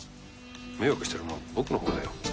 迷惑してるのは僕のほうだよ。